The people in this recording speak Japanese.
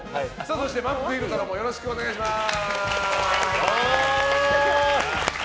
そして、まんぷく昼太郎よろしくお願いします。